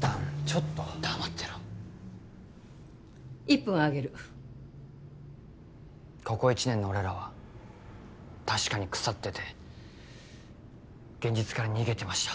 弾ちょっと黙ってろ１分あげるここ一年の俺らは確かに腐ってて現実から逃げてました